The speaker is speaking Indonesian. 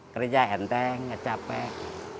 kerja enteng ngecapek